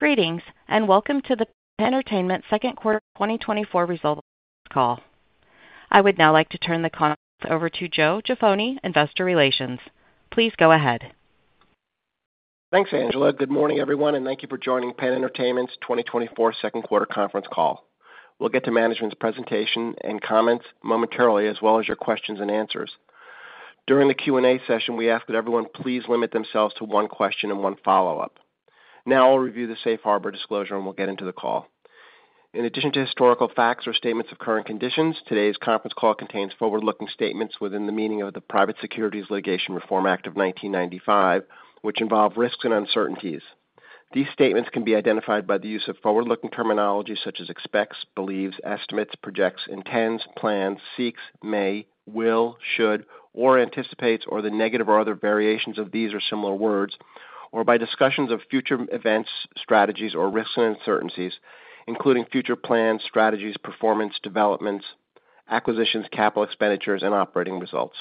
Greetings, and welcome to the PENN Entertainment second quarter 2024 results call. I would now like to turn the conference over to Joe Jaffoni, Investor Relations. Please go ahead. Thanks, Angela. Good morning, everyone, and thank you for joining PENN Entertainment's 2024 second quarter conference call. We'll get to management's presentation and comments momentarily, as well as your questions and answers. During the Q&A session, we ask that everyone please limit themselves to one question and one follow-up. Now I'll review the Safe Harbor disclosure, and we'll get into the call. In addition to historical facts or statements of current conditions, today's conference call contains forward-looking statements within the meaning of the Private Securities Litigation Reform Act of 1995, which involve risks and uncertainties. These statements can be identified by the use of forward-looking terminology such as expects, believes, estimates, projects, intends, plans, seeks, may, will, should, or anticipates, or the negative or other variations of these or similar words, or by discussions of future events, strategies or risks and uncertainties, including future plans, strategies, performance, developments, acquisitions, capital expenditures, and operating results.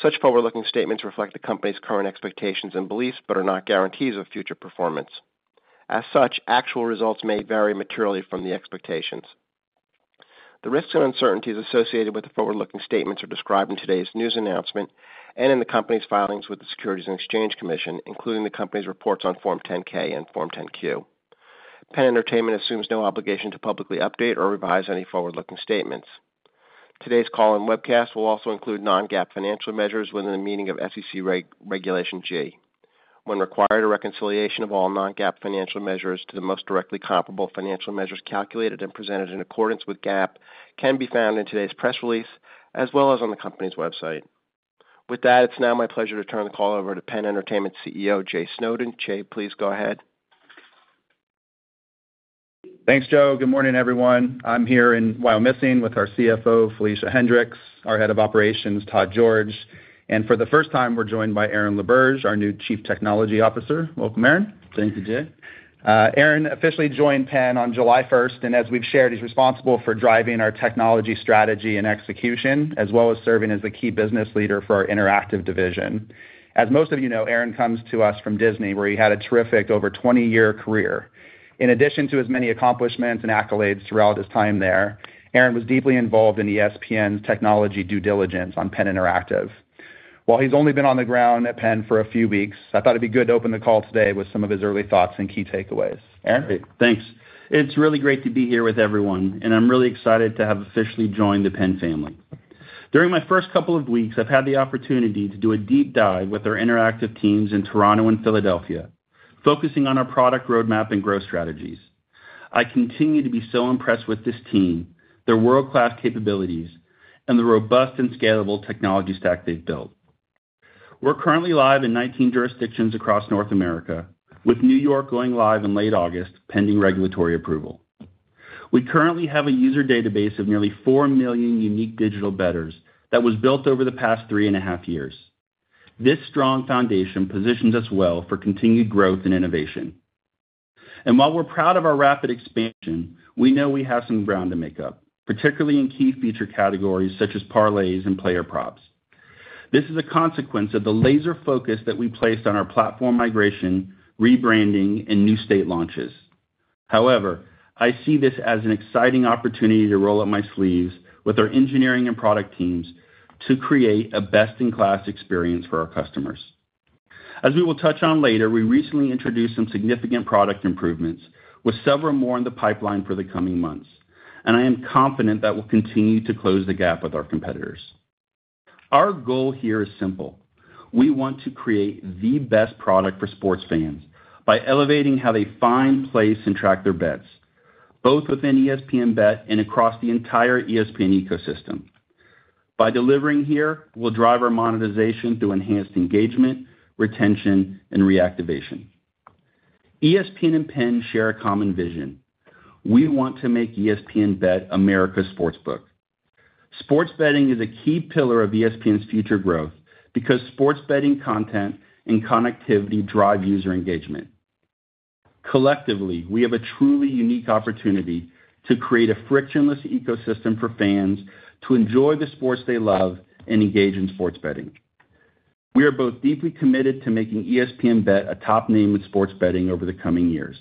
Such forward-looking statements reflect the company's current expectations and beliefs but are not guarantees of future performance. As such, actual results may vary materially from the expectations. The risks and uncertainties associated with the forward-looking statements are described in today's news announcement and in the company's filings with the Securities and Exchange Commission, including the company's reports on Form 10-K and Form 10-Q. PENN Entertainment assumes no obligation to publicly update or revise any forward-looking statements. Today's call and webcast will also include non-GAAP financial measures within the meaning of SEC Regulation G. When required, a reconciliation of all non-GAAP financial measures to the most directly comparable financial measures calculated and presented in accordance with GAAP can be found in today's press release, as well as on the company's website. With that, it's now my pleasure to turn the call over to PENN Entertainment CEO, Jay Snowden. Jay, please go ahead. Thanks, Joe. Good morning, everyone. I'm here in Wyomissing with our CFO, Felicia Hendrix, our Head of Operations, Todd George, and for the first time, we're joined by Aaron LaBerge, our new Chief Technology Officer. Welcome, Aaron. Thank you, Jay. Aaron officially joined PENN on July 1st, and as we've shared, he's responsible for driving our technology, strategy, and execution, as well as serving as the key business leader for our interactive division. As most of you know, Aaron comes to us from Disney, where he had a terrific over 20-year career. In addition to his many accomplishments and accolades throughout his time there, Aaron was deeply involved in ESPN's technology due diligence on PENN Interactive. While he's only been on the ground at PENN for a few weeks, I thought it'd be good to open the call today with some of his early thoughts and key takeaways. Aaron? Great. Thanks. It's really great to be here with everyone, and I'm really excited to have officially joined the PENN family. During my first couple of weeks, I've had the opportunity to do a deep dive with our interactive teams in Toronto and Philadelphia, focusing on our product roadmap and growth strategies. I continue to be so impressed with this team, their world-class capabilities, and the robust and scalable technology stack they've built. We're currently live in 19 jurisdictions across North America, with New York going live in late August, pending regulatory approval. We currently have a user database of nearly 4 million unique digital bettors that was built over the past 3.5 years. This strong foundation positions us well for continued growth and innovation. While we're proud of our rapid expansion, we know we have some ground to make up, particularly in key feature categories such as parlays and player props. This is a consequence of the laser focus that we placed on our platform migration, rebranding, and new state launches. However, I see this as an exciting opportunity to roll up my sleeves with our engineering and product teams to create a best-in-class experience for our customers. As we will touch on later, we recently introduced some significant product improvements, with several more in the pipeline for the coming months, and I am confident that we'll continue to close the gap with our competitors. Our goal here is simple: We want to create the best product for sports fans by elevating how they find, place, and track their bets, both within ESPN BET and across the entire ESPN ecosystem. By delivering here, we'll drive our monetization through enhanced engagement, retention, and reactivation. ESPN and PENN share a common vision: We want to make ESPN BET America's sportsbook. Sports betting is a key pillar of ESPN's future growth because sports betting content and connectivity drive user engagement. Collectively, we have a truly unique opportunity to create a frictionless ecosystem for fans to enjoy the sports they love and engage in sports betting. We are both deeply committed to making ESPN BET a top name in sports betting over the coming years.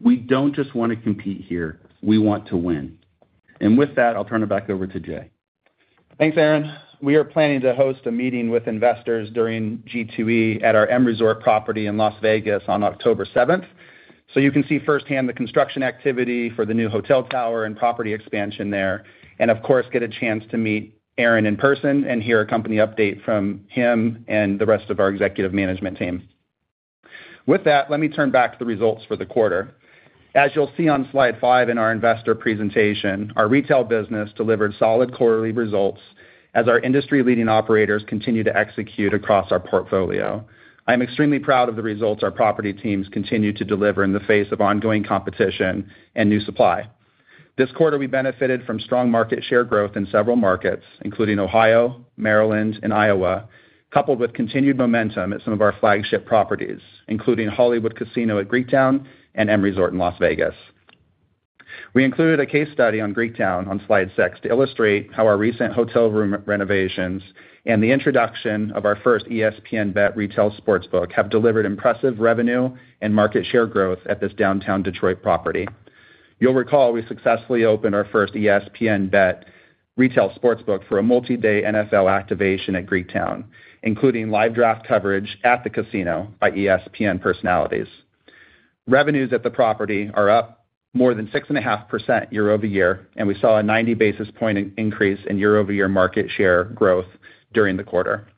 We don't just want to compete here, we want to win. And with that, I'll turn it back over to Jay. Thanks, Aaron. We are planning to host a meeting with investors during G2E at our M Resort property in Las Vegas on October 7th, so you can see firsthand the construction activity for the new hotel tower and property expansion there, and of course, get a chance to meet Aaron in person and hear a company update from him and the rest of our executive management team. With that, let me turn back to the results for the quarter. As you'll see on slide 5 in our investor presentation, our retail business delivered solid quarterly results as our industry-leading operators continue to execute across our portfolio. I'm extremely proud of the results our property teams continue to deliver in the face of ongoing competition and new supply. This quarter, we benefited from strong market share growth in several markets, including Ohio, Maryland, and Iowa, coupled with continued momentum at some of our flagship properties, including Hollywood Casino at Greektown and M Resort in Las Vegas. We included a case study on Greektown on Slide 6 to illustrate how our recent hotel room renovations and the introduction of our first ESPN BET retail sportsbook have delivered impressive revenue and market share growth at this downtown Detroit property. You'll recall we successfully opened our first ESPN BET retail sportsbook for a multi-day NFL activation at Greektown, including live draft coverage at the casino by ESPN personalities. Revenues at the property are up more than 6.5% year-over-year, and we saw a 90 basis point increase in year-over-year market share growth during the quarter.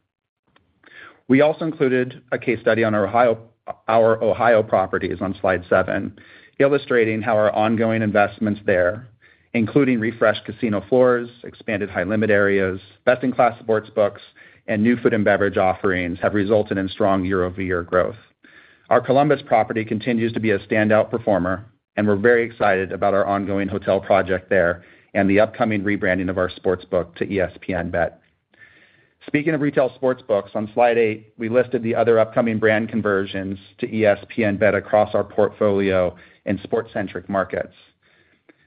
We also included a case study on our Ohio properties on Slide 7, illustrating how our ongoing investments there, including refreshed casino floors, expanded high-limit areas, best-in-class sportsbooks, and new food and beverage offerings, have resulted in strong year-over-year growth. Our Columbus property continues to be a standout performer, and we're very excited about our ongoing hotel project there and the upcoming rebranding of our sportsbook to ESPN BET. Speaking of retail sportsbooks, on Slide 8, we listed the other upcoming brand conversions to ESPN BET across our portfolio in sport-centric markets.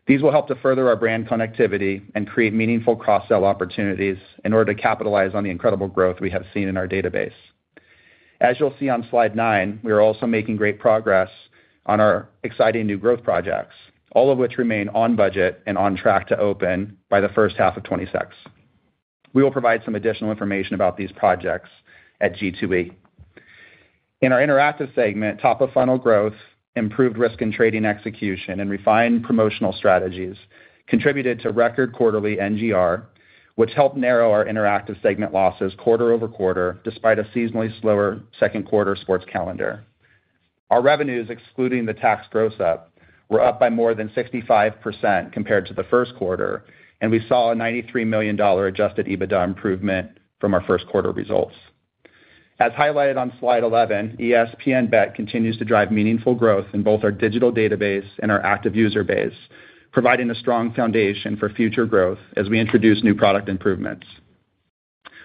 These will help to further our brand connectivity and create meaningful cross-sell opportunities in order to capitalize on the incredible growth we have seen in our database. As you'll see on Slide 9, we are also making great progress on our exciting new growth projects, all of which remain on budget and on track to open by the first half of 2026. We will provide some additional information about these projects at G2E. In our interactive segment, top-of-funnel growth, improved risk and trading execution, and refined promotional strategies contributed to record quarterly NGR, which helped narrow our interactive segment losses quarter-over-quarter, despite a seasonally slower second quarter sports calendar. Our revenues, excluding the tax gross up, were up by more than 65% compared to the first quarter, and we saw a $93 million Adjusted EBITDA improvement from our first quarter results. As highlighted on Slide 11, ESPN BET continues to drive meaningful growth in both our digital database and our active user base, providing a strong foundation for future growth as we introduce new product improvements.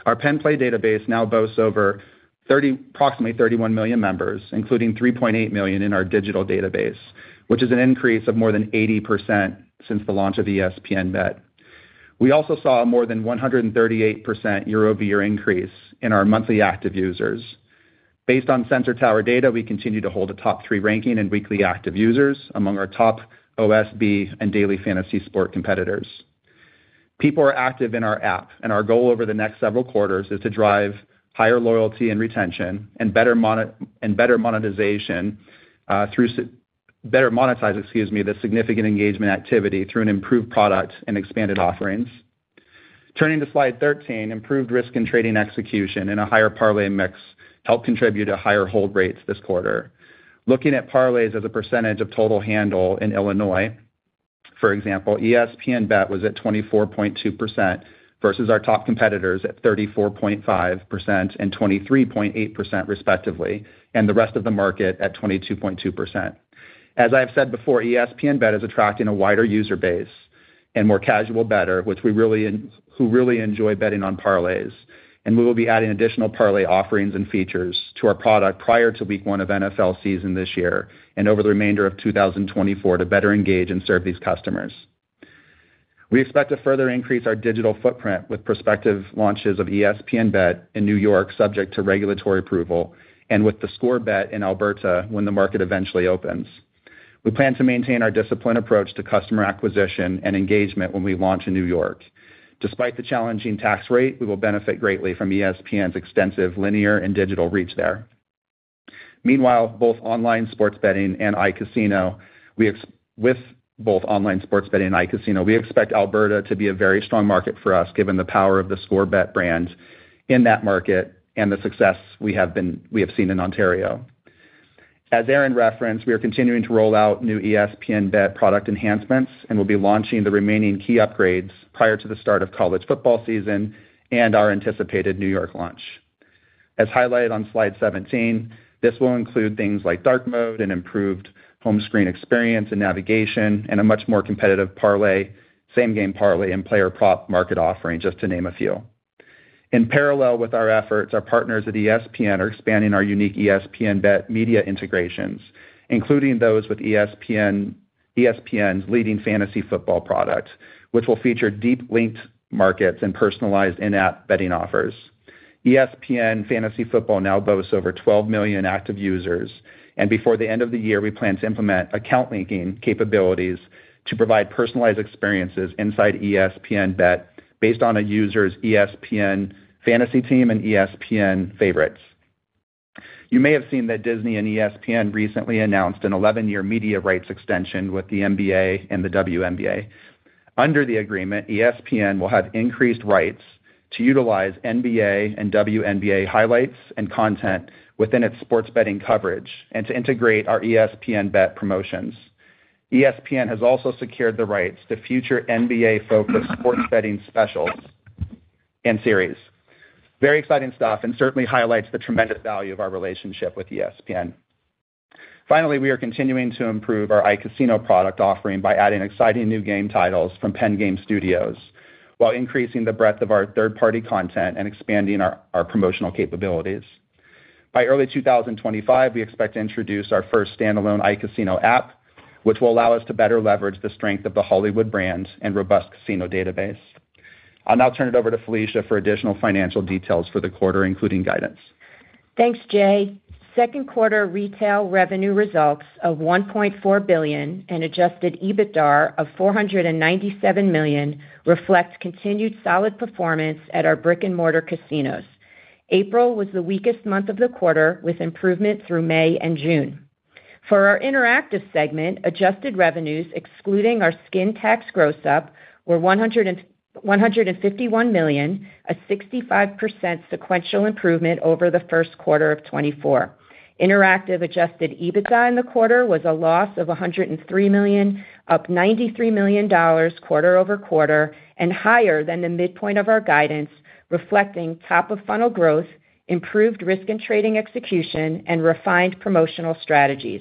Our PENN Play database now boasts over approximately 31 million members, including 3.8 million in our digital database, which is an increase of more than 80% since the launch of ESPN BET. We also saw a more than 138% year-over-year increase in our monthly active users. Based on Sensor Tower data, we continue to hold a top three ranking in weekly active users among our top OSB and daily fantasy sport competitors. People are active in our app, and our goal over the next several quarters is to drive higher loyalty and retention and better monetization through better monetize, excuse me, the significant engagement activity through an improved product and expanded offerings. Turning to Slide 13, improved risk and trading execution and a higher parlay mix helped contribute to higher hold rates this quarter. Looking at parlays as a percentage of total handle in Illinois, for example, ESPN BET was at 24.2% versus our top competitors at 34.5% and 23.8%, respectively, and the rest of the market at 22.2%. As I've said before, ESPN BET is attracting a wider user base and more casual bettor who really enjoy betting on parlays, and we will be adding additional parlay offerings and features to our product prior to week one of NFL season this year and over the remainder of 2024 to better engage and serve these customers. We expect to further increase our digital footprint with prospective launches of ESPN BET in New York, subject to regulatory approval, and with theScore Bet in Alberta when the market eventually opens. We plan to maintain our disciplined approach to customer acquisition and engagement when we launch in New York. Despite the challenging tax rate, we will benefit greatly from ESPN's extensive linear and digital reach there. Meanwhile, both online sports betting and iCasino, we ex... With both online sports betting and iCasino, we expect Alberta to be a very strong market for us, given the power of theScore Bet brand in that market and the success we have seen in Ontario. As Aaron referenced, we are continuing to roll out new ESPN BET product enhancements and will be launching the remaining key upgrades prior to the start of college football season and our anticipated New York launch. As highlighted on Slide 17, this will include things like dark mode and improved home screen experience and navigation, and a much more competitive parlay, Same Game Parlay and player prop market offerings, just to name a few. In parallel with our efforts, our partners at ESPN are expanding our unique ESPN BET media integrations, including those with ESPN's leading ESPN Fantasy Football product, which will feature deep linked markets and personalized in-app betting offers. ESPN Fantasy Football now boasts over 12 million active users, and before the end of the year, we plan to implement account linking capabilities to provide personalized experiences inside ESPN BET based on a user's ESPN Fantasy team and ESPN favorites. You may have seen that Disney and ESPN recently announced an 11-year media rights extension with the NBA and the WNBA. Under the agreement, ESPN will have increased rights to utilize NBA and WNBA highlights and content within its sports betting coverage and to integrate our ESPN BET promotions. ESPN has also secured the rights to future NBA-focused sports betting specials and series. Very exciting stuff and certainly highlights the tremendous value of our relationship with ESPN. Finally, we are continuing to improve our iCasino product offering by adding exciting new game titles from PENN Game Studios. while increasing the breadth of our third-party content and expanding our promotional capabilities. By early 2025, we expect to introduce our first standalone iCasino app, which will allow us to better leverage the strength of the Hollywood brands and robust casino database. I'll now turn it over to Felicia for additional financial details for the quarter, including guidance. Thanks, Jay. Second quarter retail revenue results of $1.4 billion and adjusted EBITDA of $497 million reflects continued solid performance at our brick-and-mortar casinos. April was the weakest month of the quarter, with improvement through May and June. For our interactive segment, adjusted revenues, excluding our skin tax gross-up, were $151 million, a 65% sequential improvement over the first quarter of 2024. Interactive adjusted EBITDA in the quarter was a loss of $103 million, up $93 million quarter-over-quarter, and higher than the midpoint of our guidance, reflecting top-of-funnel growth, improved risk and trading execution, and refined promotional strategies.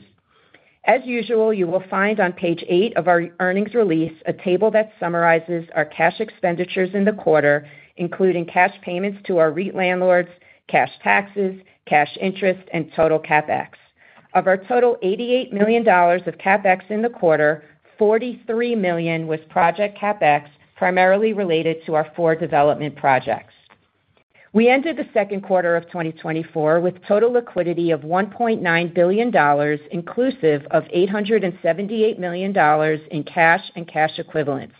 As usual, you will find on page 8 of our earnings release, a table that summarizes our cash expenditures in the quarter, including cash payments to our REIT landlords, cash taxes, cash interest, and total CapEx. Of our total $88 million of CapEx in the quarter, $43 million was project CapEx, primarily related to our four development projects. We ended the second quarter of 2024 with total liquidity of $1.9 billion, inclusive of $878 million in cash and cash equivalents.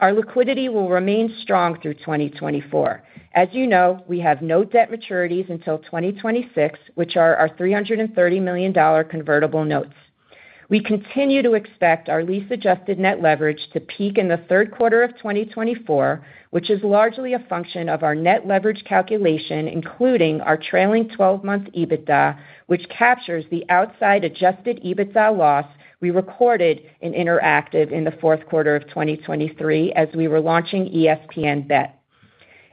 Our liquidity will remain strong through 2024. As you know, we have no debt maturities until 2026, which are our $330 million convertible notes. We continue to expect our lease-adjusted net leverage to peak in the third quarter of 2024, which is largely a function of our net leverage calculation, including our trailing 12-month EBITDA, which captures the outside adjusted EBITDA loss we recorded in Interactive in the fourth quarter of 2023 as we were launching ESPN BET.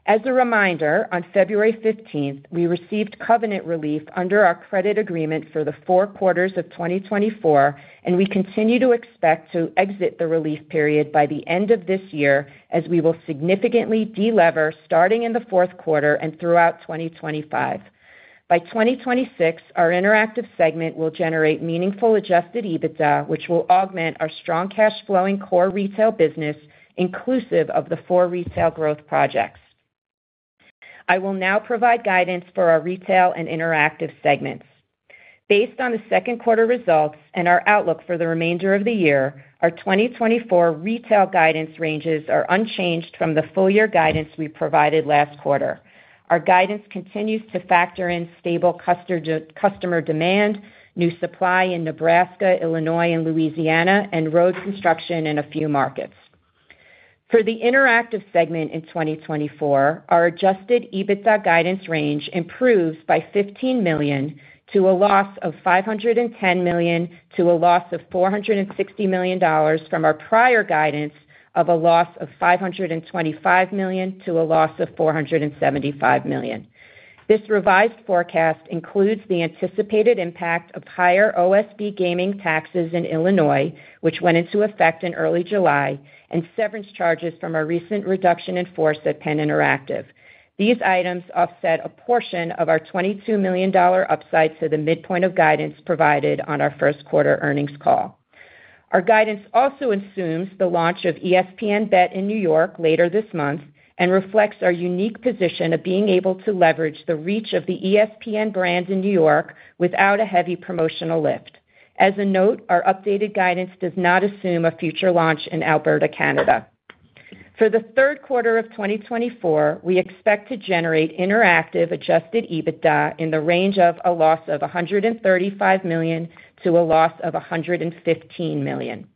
As a reminder, on February 15th, we received covenant relief under our credit agreement for the four quarters of 2024, and we continue to expect to exit the relief period by the end of this year, as we will significantly delever starting in the fourth quarter and throughout 2025. By 2026, our Interactive segment will generate meaningful adjusted EBITDA, which will augment our strong cash flowing core retail business, inclusive of the four retail growth projects. I will now provide guidance for our Retail and Interactive segments. Based on the second quarter results and our outlook for the remainder of the year, our 2024 retail guidance ranges are unchanged from the full year guidance we provided last quarter. Our guidance continues to factor in stable customer demand, new supply in Nebraska, Illinois, and Louisiana, and road construction in a few markets. For the Interactive segment in 2024, our Adjusted EBITDA guidance range improves by $15 million to a loss of $510 million to a loss of $460 million from our prior guidance of a loss of $525 million to a loss of $475 million. This revised forecast includes the anticipated impact of higher OSB gaming taxes in Illinois, which went into effect in early July, and severance charges from our recent reduction in force at PENN Interactive. These items offset a portion of our $22 million upside to the midpoint of guidance provided on our first quarter earnings call. Our guidance also assumes the launch of ESPN BET in New York later this month and reflects our unique position of being able to leverage the reach of the ESPN brand in New York without a heavy promotional lift. As a note, our updated guidance does not assume a future launch in Alberta, Canada. For the third quarter of 2024, we expect to generate interactive Adjusted EBITDA in the range of a loss of $135 million-$115 million.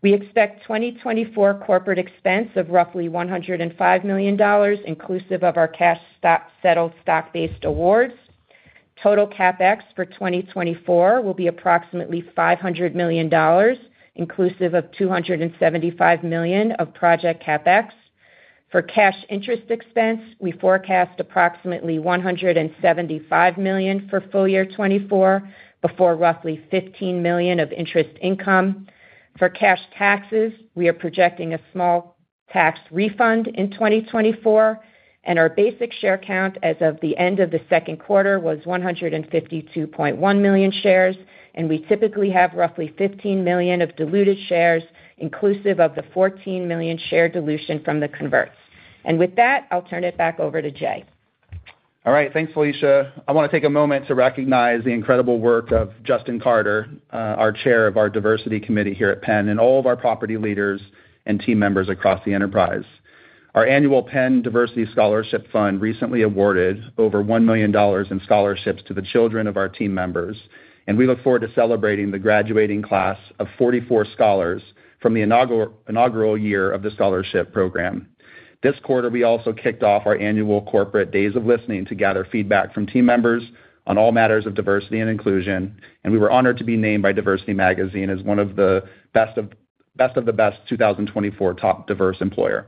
We expect 2024 corporate expense of roughly $105 million, inclusive of our cash stock-settled stock-based awards. Total CapEx for 2024 will be approximately $500 million, inclusive of $275 million of project CapEx. For cash interest expense, we forecast approximately $175 million for full year 2024, before roughly $15 million of interest income. For cash taxes, we are projecting a small tax refund in 2024, and our basic share count as of the end of the second quarter was 152.1 million shares, and we typically have roughly 15 million of diluted shares, inclusive of the 14 million share dilution from the converts. And with that, I'll turn it back over to Jay. All right. Thanks, Felicia. I want to take a moment to recognize the incredible work of Justin Carter, our Chair of our diversity committee here at PENN, and all of our property leaders and team members across the enterprise. Our annual PENN Diversity Scholarship Fund recently awarded over $1 million in scholarships to the children of our team members, and we look forward to celebrating the graduating class of 44 scholars from the inaugural year of the scholarship program. This quarter, we also kicked off our annual corporate Days of Listening to gather feedback from team members on all matters of diversity and inclusion, and we were honored to be named by Diversity Magazine as one of the Best of the Best 2024 Top Diverse Employer.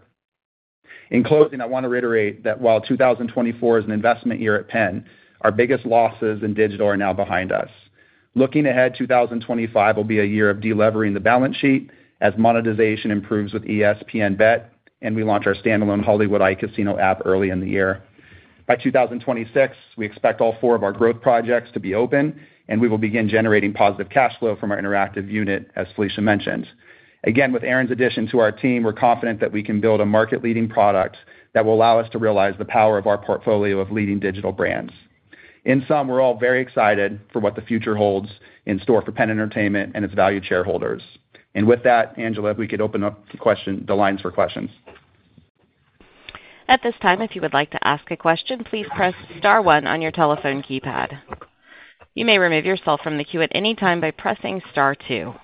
In closing, I want to reiterate that while 2024 is an investment year at PENN, our biggest losses in digital are now behind us. Looking ahead, 2025 will be a year of delevering the balance sheet as monetization improves with ESPN BET, and we launch our standalone Hollywood iCasino app early in the year. By 2026, we expect all four of our growth projects to be open, and we will begin generating positive cash flow from our interactive unit, as Felicia mentioned. Again, with Aaron's addition to our team, we're confident that we can build a market-leading product that will allow us to realize the power of our portfolio of leading digital brands. In sum, we're all very excited for what the future holds in store for PENN Entertainment and its valued shareholders. And with that, Angela, if we could open up the lines for questions. At this time, if you would like to ask a question, please press star one on your telephone keypad. You may remove yourself from the queue at any time by pressing star two.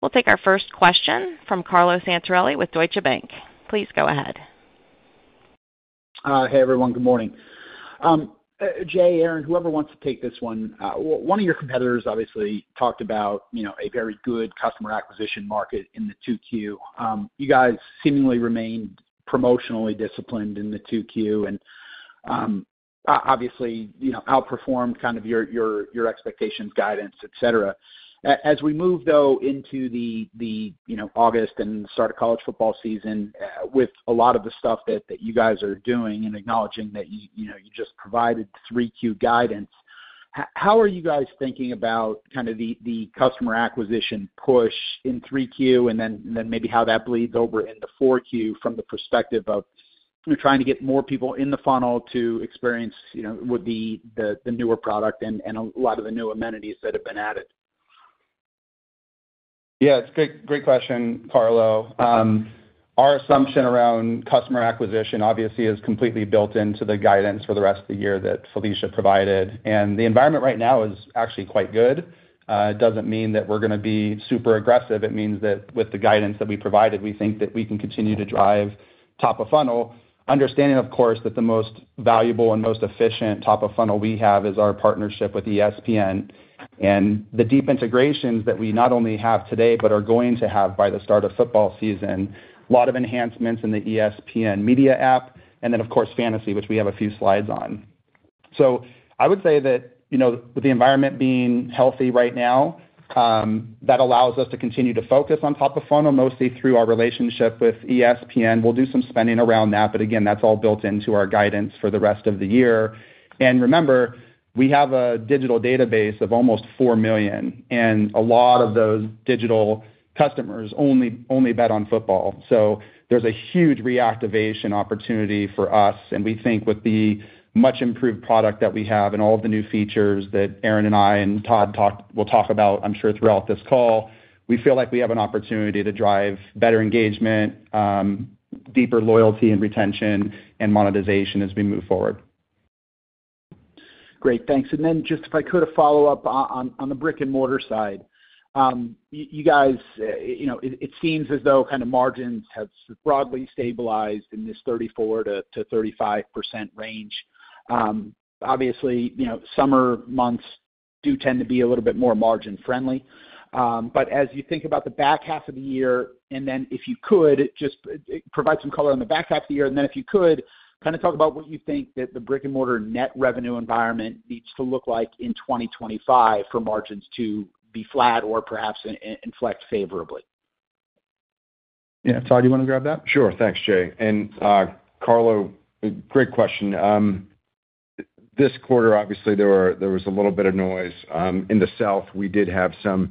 We'll take our first question from Carlo Santarelli with Deutsche Bank. Please go ahead. Hey, everyone. Good morning. Jay, Aaron, whoever wants to take this one. One of your competitors obviously talked about, you know, a very good customer acquisition market in the 2Q. You guys seemingly remained promotionally disciplined in the 2Q and, obviously, you know, outperformed kind of your, your, your expectations, guidance, et cetera. As we move, though, into the, the, you know, August and start of college football season, with a lot of the stuff that, that you guys are doing and acknowledging that you know, you just provided 3Q guidance, how are you guys thinking about kind of the, the customer acquisition push in 3Q, and then, and then maybe how that bleeds over into 4Q from the perspective of you're trying to get more people in the funnel to experience, you know, with the, the, the newer product and, and a lot of the new amenities that have been added? Yeah, it's a great, great question, Carlo. Our assumption around customer acquisition, obviously, is completely built into the guidance for the rest of the year that Felicia provided, and the environment right now is actually quite good. It doesn't mean that we're gonna be super aggressive. It means that with the guidance that we provided, we think that we can continue to drive top-of-funnel, understanding, of course, that the most valuable and most efficient top-of-funnel we have is our partnership with ESPN. And the deep integrations that we not only have today, but are going to have by the start of football season, a lot of enhancements in the ESPN Media app, and then, of course, Fantasy, which we have a few slides on. So I would say that, you know, with the environment being healthy right now, that allows us to continue to focus on top-of-funnel, mostly through our relationship with ESPN. We'll do some spending around that, but again, that's all built into our guidance for the rest of the year. And remember, we have a digital database of almost 4 million, and a lot of those digital customers only, only bet on football. So there's a huge reactivation opportunity for us, and we think with the much-improved product that we have and all of the new features that Aaron and I and Todd talked, will talk about, I'm sure, throughout this call, we feel like we have an opportunity to drive better engagement, deeper loyalty and retention, and monetization as we move forward. Great. Thanks. And then just if I could, a follow-up on the brick-and-mortar side. You guys, you know, it seems as though kind of margins have broadly stabilized in this 34%-35% range. Obviously, you know, summer months do tend to be a little bit more margin-friendly. But as you think about the back half of the year, and then if you could, just provide some color on the back half of the year, and then if you could, kind of talk about what you think that the brick-and-mortar net revenue environment needs to look like in 2025 for margins to be flat or perhaps inflect favorably. Yeah. Todd, you want to grab that? Sure. Thanks, Jay. And, Carlo, great question. This quarter, obviously, there was a little bit of noise. In the South, we did have some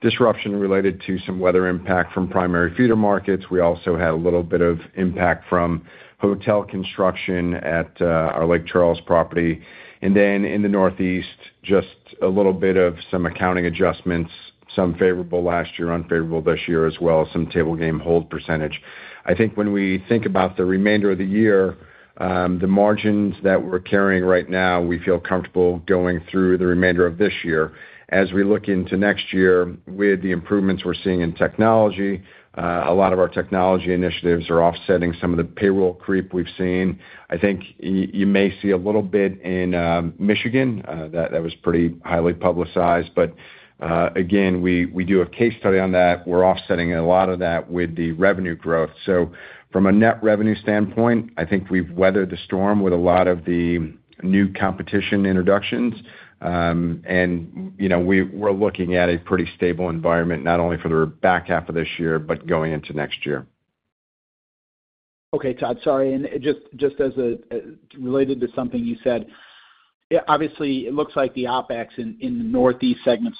disruption related to some weather impact from primary feeder markets. We also had a little bit of impact from hotel construction at our Lake Charles property. And then in the Northeast, just a little bit of some accounting adjustments, some favorable last year, unfavorable this year, as well as some table game hold percentage. I think when we think about the remainder of the year, the margins that we're carrying right now, we feel comfortable going through the remainder of this year. As we look into next year, with the improvements we're seeing in technology, a lot of our technology initiatives are offsetting some of the payroll creep we've seen. I think you may see a little bit in Michigan, that was pretty highly publicized. But again, we do a case study on that. We're offsetting a lot of that with the revenue growth. So from a net revenue standpoint, I think we've weathered the storm with a lot of the new competition introductions. And you know, we're looking at a pretty stable environment, not only for the back half of this year, but going into next year. Okay, Todd. Sorry. And just as a related to something you said, yeah, obviously, it looks like the OpEx in the Northeast segment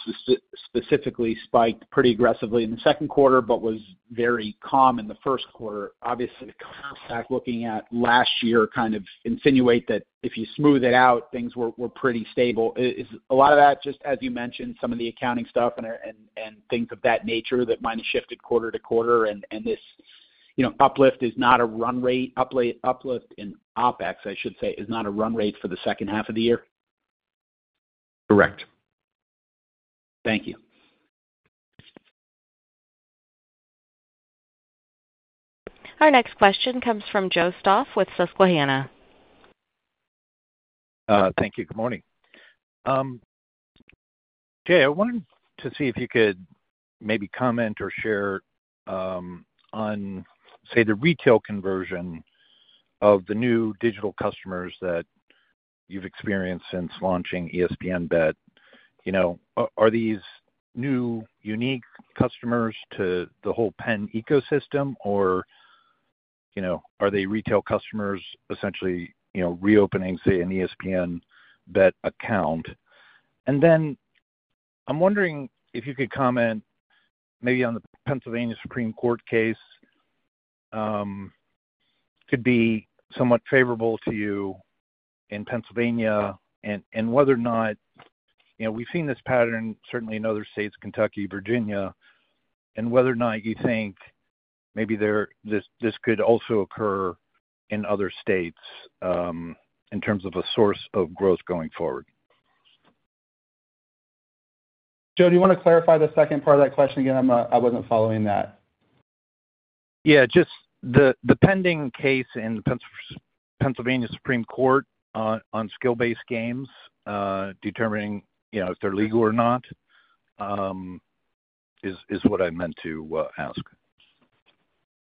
specifically spiked pretty aggressively in the second quarter, but was very calm in the first quarter. Obviously, the contract looking at last year kind of insinuate that if you smooth it out, things were pretty stable. Is a lot of that, just as you mentioned, some of the accounting stuff and things of that nature that might have shifted quarter to quarter and this, you know, uplift in OpEx, I should say, is not a run rate for the second half of the year? Correct. Thank you. Our next question comes from Joseph Stauff with Susquehanna. Thank you. Good morning. Okay, I wanted to see if you could maybe comment or share on, say, the retail conversion of the new digital customers that you've experienced since launching ESPN BET. You know, are these new, unique customers to the whole PENN ecosystem, or, you know, are they retail customers essentially, you know, reopening, say, an ESPN BET account? And then I'm wondering if you could comment maybe on the Pennsylvania Supreme Court case, could be somewhat favorable to you in Pennsylvania, and whether or not, you know, we've seen this pattern certainly in other states, Kentucky, Virginia, and whether or not you think maybe this could also occur in other states in terms of a source of growth going forward. Joe, do you want to clarify the second part of that question again? I'm, I wasn't following that. Yeah, just the pending case in the Pennsylvania Supreme Court on skill-based games, determining, you know, if they're legal or not, is what I meant to ask.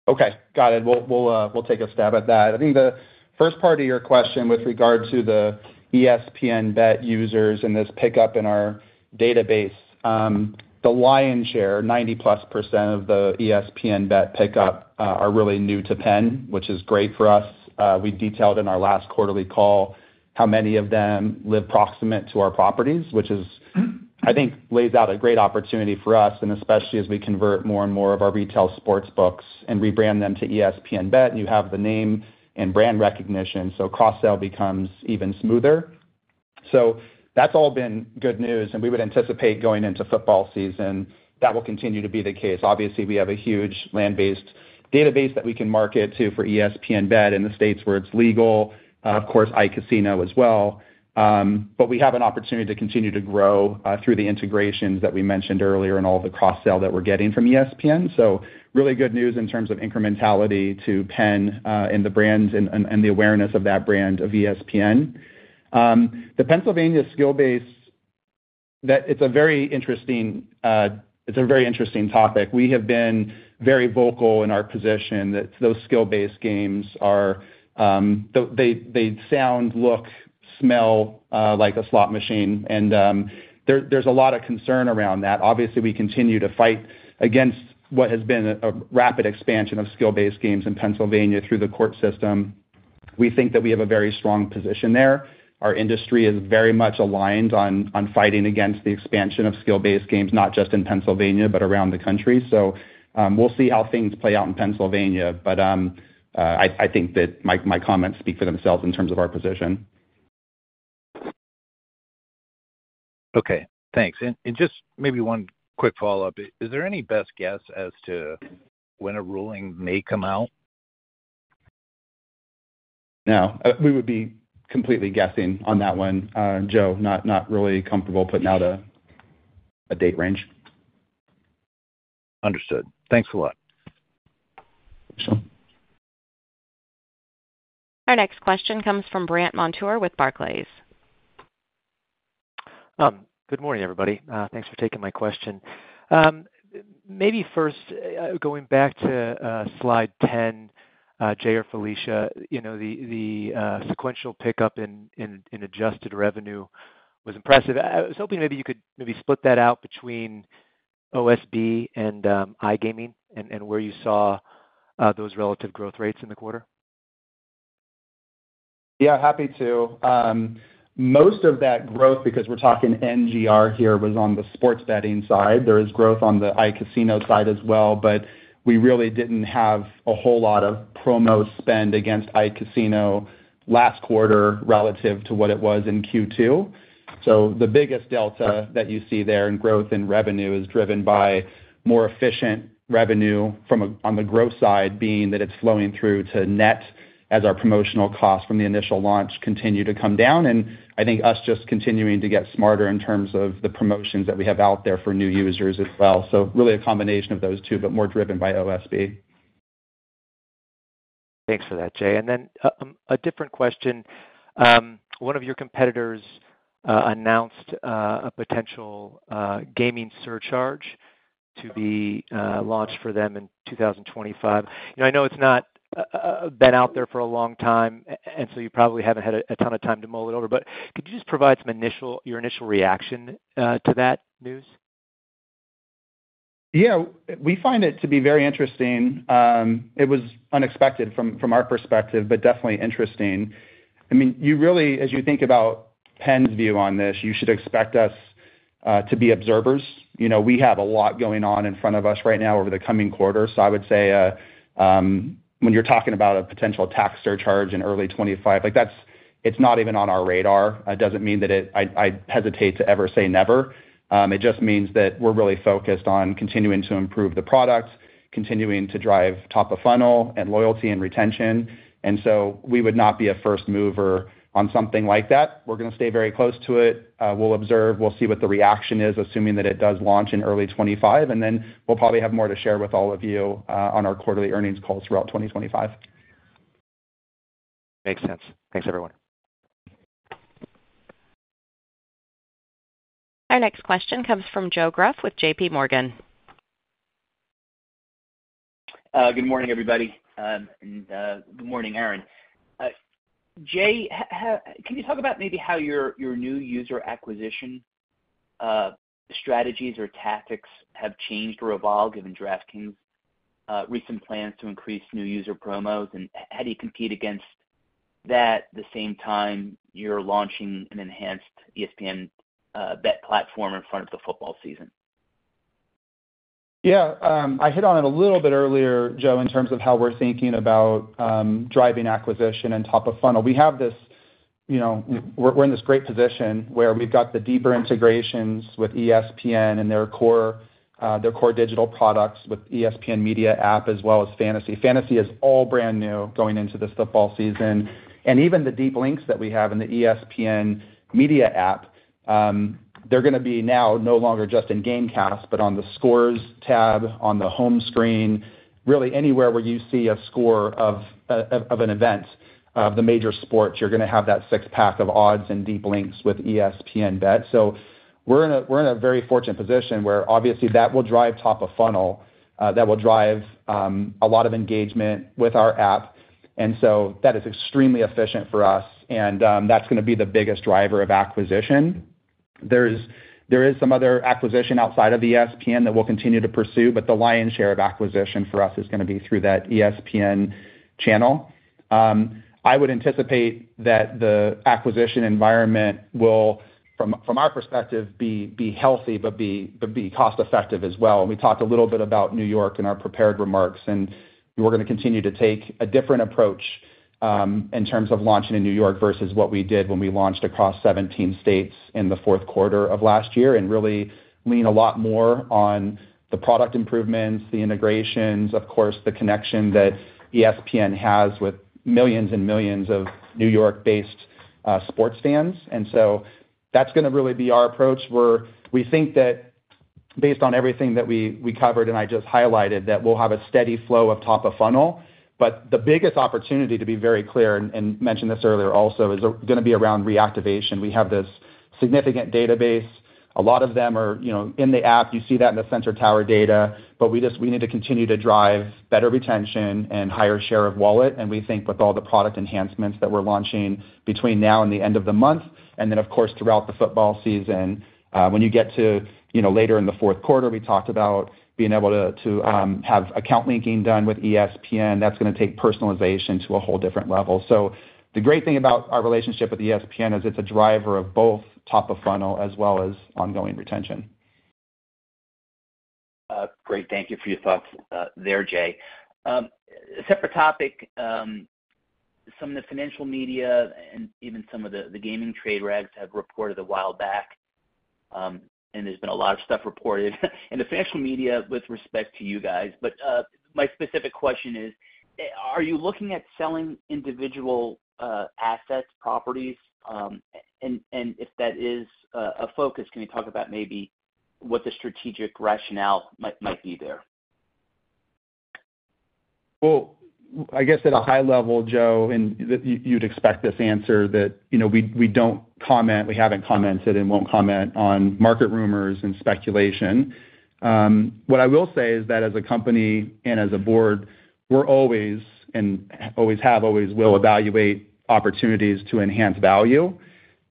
Okay, got it. We'll take a stab at that. I think the first part of your question with regard to the ESPN BET users and this pickup in our database, the lion's share, 90%+ of the ESPN BET pickup, are really new to PENN, which is great for us. We detailed in our last quarterly call how many of them live proximate to our properties, which is, I think, lays out a great opportunity for us, and especially as we convert more and more of our retail sportsbooks and rebrand them to ESPN BET, and you have the name and brand recognition, so cross-sell becomes even smoother. So that's all been good news, and we would anticipate going into football season, that will continue to be the case. Obviously, we have a huge land-based database that we can market to for ESPN BET in the states where it's legal, of course, iCasino as well. But we have an opportunity to continue to grow through the integrations that we mentioned earlier and all the cross-sell that we're getting from ESPN. So really good news in terms of incrementality to PENN, and the brand and the awareness of that brand of ESPN. The Pennsylvania skill-based. It's a very interesting topic. We have been very vocal in our position that those skill-based games are, they sound, look, smell like a slot machine, and there's a lot of concern around that. Obviously, we continue to fight against what has been a rapid expansion of skill-based games in Pennsylvania through the court system. We think that we have a very strong position there. Our industry is very much aligned on fighting against the expansion of skill-based games, not just in Pennsylvania, but around the country. So, we'll see how things play out in Pennsylvania, but I think that my comments speak for themselves in terms of our position. Okay, thanks. And just maybe one quick follow-up. Is there any best guess as to when a ruling may come out? No, we would be completely guessing on that one. Joe, not really comfortable putting out a date range. Understood. Thanks a lot. Sure. Our next question comes from Brandt Montour with Barclays. Good morning, everybody. Thanks for taking my question. Maybe first, going back to slide 10, Jay or Felicia, you know, the sequential pickup in adjusted revenue was impressive. I was hoping maybe you could split that out between OSB and iGaming and where you saw those relative growth rates in the quarter. Yeah, happy to. Most of that growth, because we're talking NGR here, was on the sports betting side. There is growth on the iCasino side as well, but we really didn't have a whole lot of promo spend against iCasino last quarter relative to what it was in Q2. So the biggest delta that you see there in growth in revenue is driven by more efficient revenue from on the growth side, being that it's flowing through to net as our promotional costs from the initial launch continue to come down, and I think us just continuing to get smarter in terms of the promotions that we have out there for new users as well. So really a combination of those two, but more driven by OSB. Thanks for that, Jay. Then a different question. One of your competitors announced a potential gaming surcharge to be launched for them in 2025. You know, I know it's not been out there for a long time, and so you probably haven't had a ton of time to mull it over, but could you just provide some initial your initial reaction to that news? Yeah, we find it to be very interesting. It was unexpected from our perspective, but definitely interesting. I mean, you really, as you think about PENN's view on this, you should expect us to be observers. You know, we have a lot going on in front of us right now over the coming quarter. So I would say, when you're talking about a potential tax surcharge in early 2025, like, that's, it's not even on our radar. Doesn't mean that it. I'd hesitate to ever say never. It just means that we're really focused on continuing to improve the product, continuing to drive top-of-funnel and loyalty and retention, and so we would not be a first mover on something like that. We're gonna stay very close to it. We'll observe, we'll see what the reaction is, assuming that it does launch in early 2025, and then we'll probably have more to share with all of you on our quarterly earnings calls throughout 2025.... Makes sense. Thanks, everyone. Our next question comes from Joe Greff with JP Morgan. Good morning, everybody. And good morning, Aaron. Jay, can you talk about maybe how your, your new user acquisition strategies or tactics have changed or evolved given DraftKings' recent plans to increase new user promos? And how do you compete against that, the same time you're launching an enhanced ESPN BET platform in front of the football season? Yeah, I hit on it a little bit earlier, Joe, in terms of how we're thinking about driving acquisition and top-of-funnel. We have this, you know, we're in this great position where we've got the deeper integrations with ESPN and their core digital products with ESPN Media app, as well as Fantasy. Fantasy is all brand new going into this football season. And even the deep links that we have in the ESPN Media app, they're gonna be now no longer just in Gamecast, but on the Scores tab, on the home screen, really anywhere where you see a score of an event of the major sports, you're gonna have that six-pack of odds and deep links with ESPN BET. So we're in a very fortunate position where obviously that will drive top-of-funnel, that will drive a lot of engagement with our app, and so that is extremely efficient for us, and that's gonna be the biggest driver of acquisition. There is some other acquisition outside of ESPN that we'll continue to pursue, but the lion's share of acquisition for us is gonna be through that ESPN channel. I would anticipate that the acquisition environment will, from our perspective, be healthy but cost effective as well. We talked a little bit about New York in our prepared remarks, and we're gonna continue to take a different approach in terms of launching in New York versus what we did when we launched across 17 states in the fourth quarter of last year. And really lean a lot more on the product improvements, the integrations, of course, the connection that ESPN has with millions and millions of New York-based sports fans. And so that's gonna be our approach, where we think that based on everything that we covered, and I just highlighted, that we'll have a steady flow of top-of-funnel. But the biggest opportunity, to be very clear, and mentioned this earlier also, is gonna be around reactivation. We have this significant database. A lot of them are, you know, in the app. You see that in the Sensor Tower data. But we just, we need to continue to drive better retention and higher share of wallet, and we think with all the product enhancements that we're launching between now and the end of the month, and then, of course, throughout the football season, when you get to, you know, later in the fourth quarter, we talked about being able to, to, have account linking done with ESPN, that's gonna take personalization to a whole different level. So the great thing about our relationship with ESPN is it's a driver of both top-of-funnel as well as ongoing retention. Great. Thank you for your thoughts, there, Jay. Separate topic. Some of the financial media and even some of the gaming trade rags have reported a while back, and there's been a lot of stuff reported in the financial media with respect to you guys. But, my specific question is, are you looking at selling individual, assets, properties? And, if that is, a focus, can you talk about maybe what the strategic rationale might be there? Well, I guess at a high level, Joe, and you'd expect this answer, that, you know, we don't comment, we haven't commented and won't comment on market rumors and speculation. What I will say is that as a company and as a board, we're always and always have, always will evaluate opportunities to enhance value,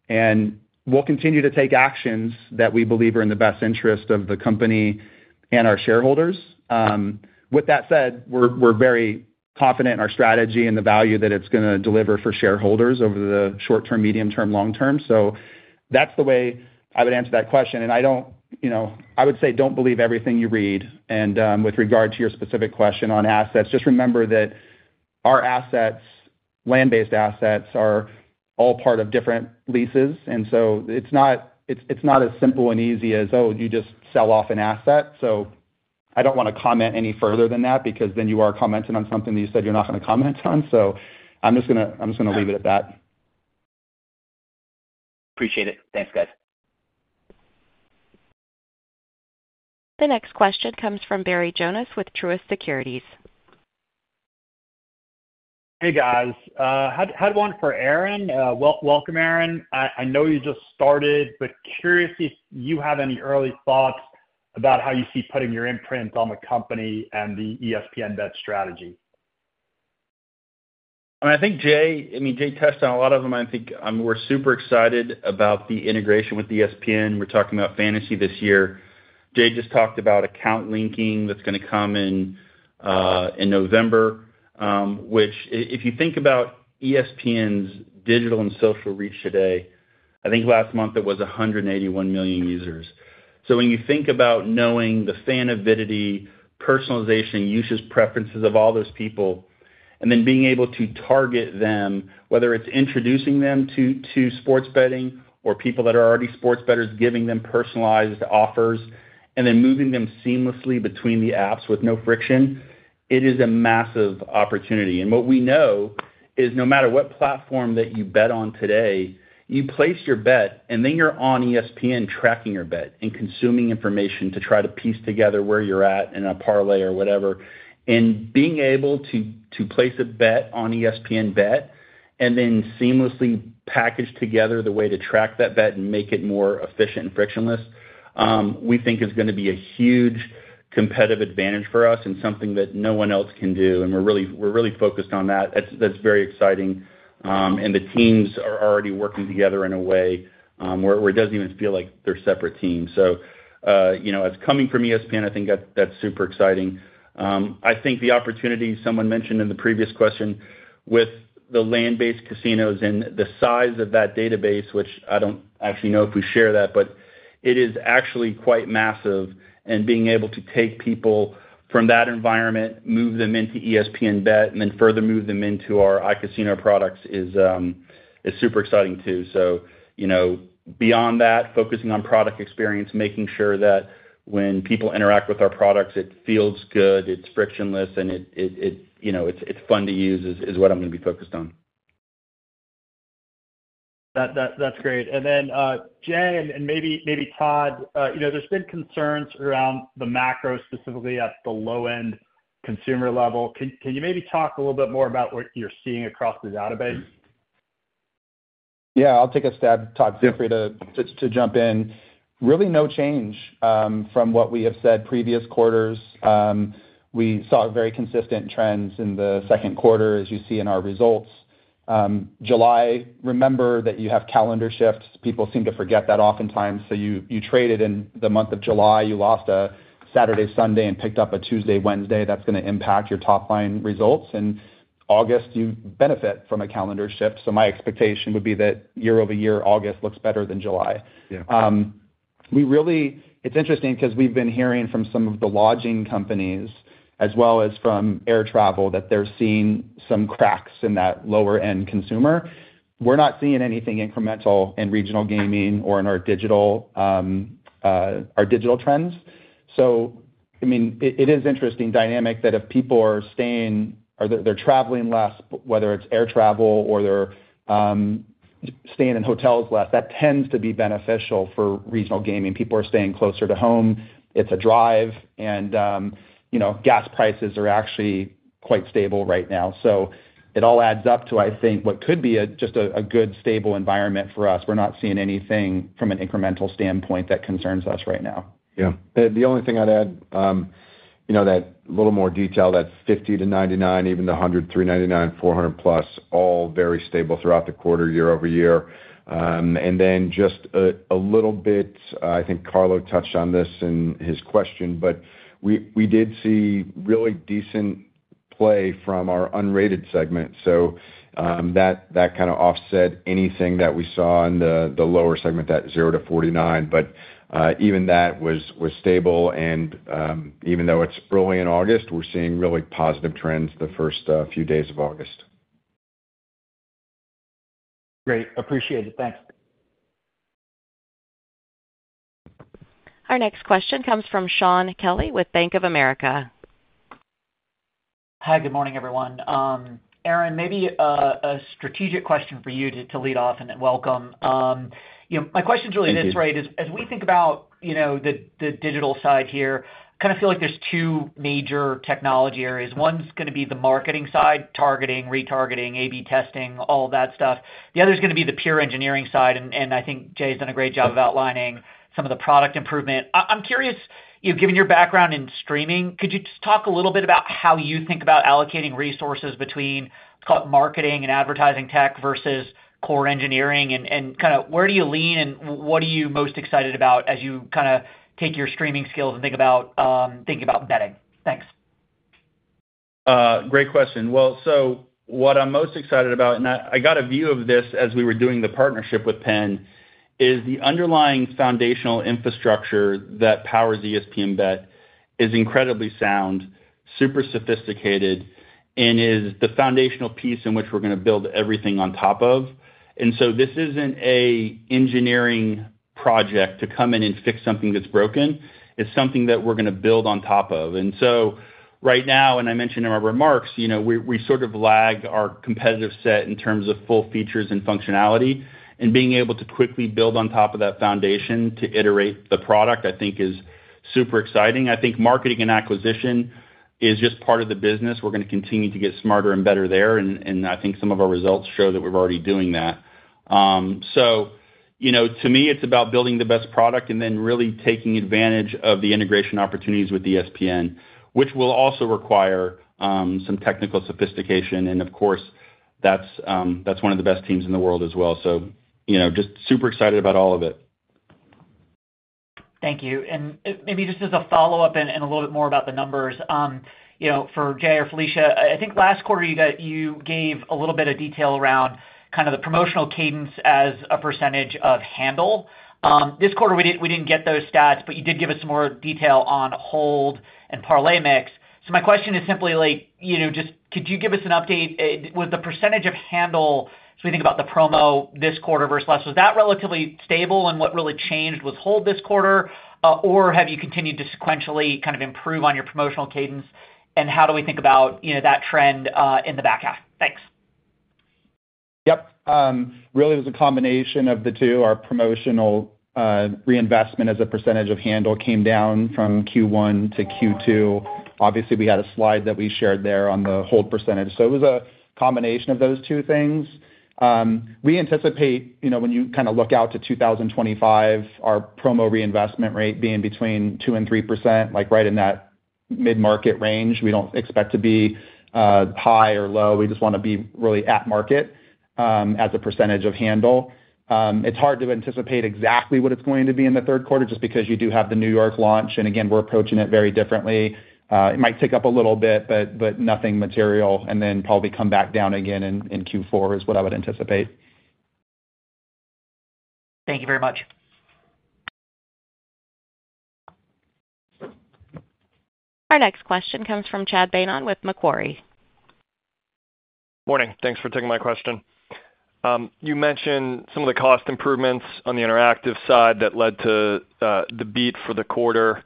and we'll continue to take actions that we believe are in the best interest of the company and our shareholders. With that said, we're very confident in our strategy and the value that it's gonna deliver for shareholders over the short term, medium term, long term. So that's the way I would answer that question, and I don't... You know, I would say, don't believe everything you read. With regard to your specific question on assets, just remember that our assets, land-based assets, are all part of different leases, and so it's not as simple and easy as, oh, you just sell off an asset. So I don't want to comment any further than that, because then you are commenting on something that you said you're not going to comment on. So I'm just gonna leave it at that. Appreciate it. Thanks, guys. The next question comes from Barry Jonas with Truist Securities. Hey, guys, had one for Aaron. Welcome, Aaron. I know you just started, but curious if you have any early thoughts about how you see putting your imprint on the company and the ESPN BET strategy. I think Jay, I mean, Jay touched on a lot of them. I think, we're super excited about the integration with ESPN. We're talking about Fantasy this year. Jay just talked about account linking that's gonna come in, in November, which if you think about ESPN's digital and social reach today, I think last month it was 181 million users. So when you think about knowing the fan avidity, personalization, usage preferences of all those people, and then being able to target them, whether it's introducing them to, to sports betting or people that are already sports bettors, giving them personalized offers, and then moving them seamlessly between the apps with no friction, it is a massive opportunity. And what we know-... It's no matter what platform that you bet on today, you place your bet, and then you're on ESPN tracking your bet and consuming information to try to piece together where you're at in a parlay or whatever. And being able to place a bet on ESPN BET, and then seamlessly package together the way to track that bet and make it more efficient and frictionless, we think is gonna be a huge competitive advantage for us and something that no one else can do, and we're really, we're really focused on that. That's very exciting. And the teams are already working together in a way where it doesn't even feel like they're separate teams. So you know, it's coming from ESPN, I think that's super exciting. I think the opportunity someone mentioned in the previous question with the land-based casinos and the size of that database, which I don't actually know if we share that, but it is actually quite massive. And being able to take people from that environment, move them into ESPN BET, and then further move them into our iCasino products is super exciting, too. So, you know, beyond that, focusing on product experience, making sure that when people interact with our products, it feels good, it's frictionless, and it, you know, it's fun to use is what I'm gonna be focused on. That, that's great. And then, Jay, and maybe Todd, you know, there's been concerns around the macro, specifically at the low-end consumer level. Can you maybe talk a little bit more about what you're seeing across the database? Yeah, I'll take a stab, Todd. Feel free to jump in. Really no change from what we have said previous quarters. We saw very consistent trends in the second quarter, as you see in our results. July, remember that you have calendar shifts. People seem to forget that oftentimes. So you traded in the month of July, you lost a Saturday, Sunday, and picked up a Tuesday, Wednesday. That's gonna impact your top-line results. In August, you benefit from a calendar shift, so my expectation would be that year-over-year, August looks better than July. Yeah. We really... It's interesting because we've been hearing from some of the lodging companies, as well as from air travel, that they're seeing some cracks in that lower-end consumer. We're not seeing anything incremental in regional gaming or in our digital, our digital trends. So, I mean, it is interesting dynamic that if people are staying or they're traveling less, whether it's air travel or they're staying in hotels less, that tends to be beneficial for regional gaming. People are staying closer to home. It's a drive, and, you know, gas prices are actually quite stable right now. So it all adds up to, I think, what could be just a good, stable environment for us. We're not seeing anything from an incremental standpoint that concerns us right now. Yeah. The only thing I'd add, you know, that little more detail, that 50-99, even the 100, 300-399, 400+, all very stable throughout the quarter, year-over-year. And then just a little bit, I think Carlo touched on this in his question, but we did see really decent play from our unrated segment, so that kind of offset anything that we saw in the lower segment, that 0-49. But even that was stable and, even though it's early in August, we're seeing really positive trends the first few days of August. Great. Appreciate it. Thanks. Our next question comes from Shaun Kelley with Bank of America. Hi, good morning, everyone. Aaron, maybe a strategic question for you to lead off, and welcome. You know, my question is really this, right? As we think about, you know, the digital side here, kind of feel like there's two major technology areas. One's gonna be the marketing side, targeting, retargeting, A/B testing, all of that stuff. The other is gonna be the pure engineering side, and I think Jay's done a great job of outlining some of the product improvement. I'm curious, you know, given your background in streaming, could you just talk a little bit about how you think about allocating resources between, let's call it, marketing and advertising tech versus core engineering? And kind of where do you lean, and what are you most excited about as you kind of take your streaming skills and think about thinking about betting? Thanks. Great question. Well, so what I'm most excited about, and I got a view of this as we were doing the partnership with PENN, is the underlying foundational infrastructure that powers ESPN BET is incredibly sound, super sophisticated, and is the foundational piece in which we're gonna build everything on top of. And so this isn't an engineering project to come in and fix something that's broken. It's something that we're gonna build on top of. And so right now, and I mentioned in my remarks, you know, we sort of lagged our competitive set in terms of full features and functionality. And being able to quickly build on top of that foundation to iterate the product, I think is super exciting. I think marketing and acquisition is just part of the business. We're gonna continue to get smarter and better there, and I think some of our results show that we're already doing that. So, you know, to me, it's about building the best product and then really taking advantage of the integration opportunities with ESPN, which will also require some technical sophistication, and of course, that's one of the best teams in the world as well. So, you know, just super excited about all of it. Thank you. And, maybe just as a follow-up and a little bit more about the numbers, you know, for Jay or Felicia, I think last quarter, you gave a little bit of detail around kind of the promotional cadence as a percentage of handle. This quarter, we didn't get those stats, but you did give us some more detail on hold and parlay mix. So my question is simply, like, you know, just could you give us an update with the percentage of handle, so we think about the promo this quarter versus last, was that relatively stable, and what really changed with hold this quarter, or have you continued to sequentially kind of improve on your promotional cadence, and how do we think about, you know, that trend in the back half? Thanks.... Yep. Really, it was a combination of the two. Our promotional reinvestment as a percentage of handle came down from Q1 to Q2. Obviously, we had a slide that we shared there on the hold percentage, so it was a combination of those two things. We anticipate, you know, when you kind of look out to 2025, our promo reinvestment rate being between 2%-3%, like, right in that mid-market range. We don't expect to be high or low. We just wanna be really at market, as a percentage of handle. It's hard to anticipate exactly what it's going to be in the third quarter, just because you do have the New York launch, and again, we're approaching it very differently. It might tick up a little bit, but nothing material, and then probably come back down again in Q4, is what I would anticipate. Thank you very much. Our next question comes from Chad Beynon with Macquarie. Morning. Thanks for taking my question. You mentioned some of the cost improvements on the interactive side that led to the beat for the quarter.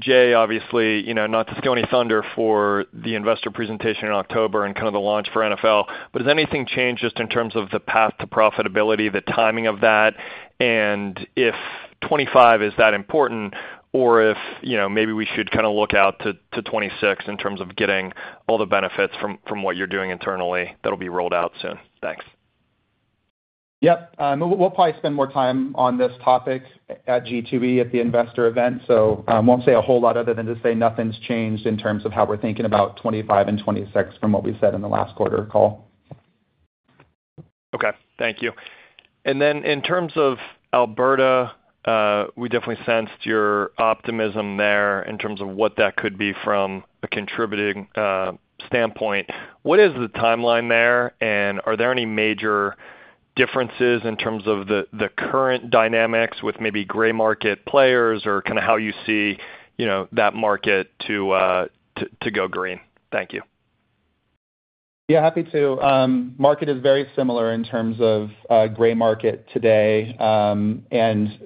Jay, obviously, you know, not to steal any thunder for the investor presentation in October and kind of the launch for NFL, but does anything change just in terms of the path to profitability, the timing of that? And if 2025 is that important, or if, you know, maybe we should kind of look out to 2026 in terms of getting all the benefits from what you're doing internally, that'll be rolled out soon. Thanks. Yep. We'll probably spend more time on this topic at G2E at the investor event. So, won't say a whole lot other than just say nothing's changed in terms of how we're thinking about 2025 and 2026 from what we've said in the last quarter call. Okay, thank you. Then in terms of Alberta, we definitely sensed your optimism there in terms of what that could be from a contributing standpoint. What is the timeline there, and are there any major differences in terms of the current dynamics with maybe gray market players or kind of how you see, you know, that market to go green? Thank you. Yeah, happy to. Market is very similar in terms of gray market today, and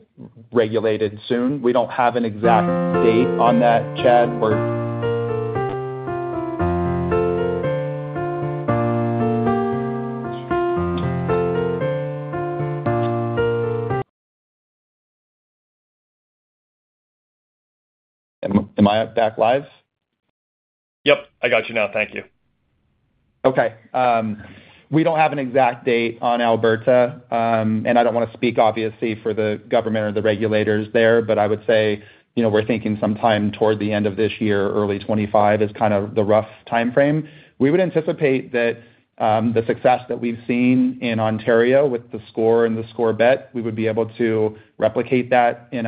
regulated soon. We don't have an exact date on that, Chad, or... Am I back live? Yep, I got you now. Thank you. Okay. We don't have an exact date on Alberta, and I don't wanna speak, obviously, for the government or the regulators there, but I would say, you know, we're thinking sometime toward the end of this year, early 2025 is kind of the rough timeframe. We would anticipate that the success that we've seen in Ontario with theScore and theScore Bet, we would be able to replicate that in